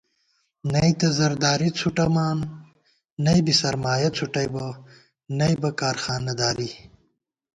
نئ تہ زرداری څھُٹَمان، نئ بی سرمایَہ څھُٹَئیبہ، نئ بہ کارخانہ داری